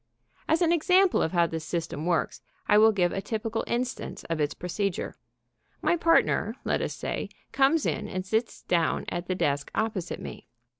As an example of how this system works, I will give a typical instance of its procedure. My partner, let us say, comes in and sits down at the desk opposite me.